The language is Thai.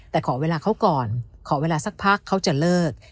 แต่ขอเวลาเขาก่อนขอเวลาสักพักเขาจะเลิก